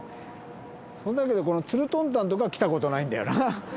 だけどつるとんたんとかは来たことないんだよな。